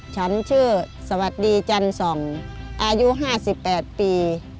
ฉันชื่อสวัสดีจันส่องอายุ๕๘ปี